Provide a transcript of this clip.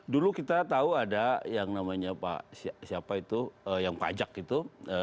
dulu kita tahu ada yang namanya pak siapa itu yang pajak itu